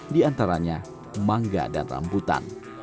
di antaranya mangga dan rambutan